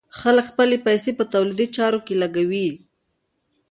خلک خپلې پيسې په تولیدي چارو کې لګوي.